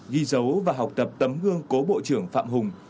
ghi dấu và học tập tấm gương cố bộ trưởng phạm hùng